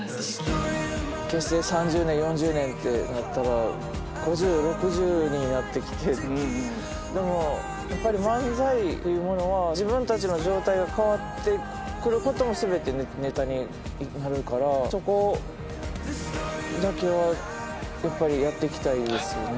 結成３０年４０年ってなったら５０６０になってきてでもやっぱり漫才というものは自分たちの状態が変わってくることも全てネタになるからそこだけはやっていきたい。